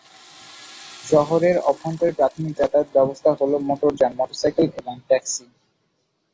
শহরের অভ্যন্তরে প্রাথমিক যাতায়াত ব্যবস্থা হল মোটর যান, মোটরসাইকেল এবং ট্যাক্সি।